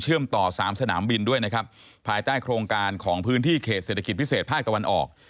ต่อสามสนามบินด้วยนะครับภายใต้โครงการของพื้นที่เขตเศรษฐกิจพิเศษภาคตะวันออก